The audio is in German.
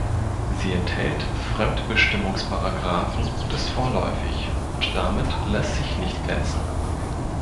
Sie enthält Fremdbestimmungsparagraphen und ist vorläufig, und damit lässt sich nicht glänzen.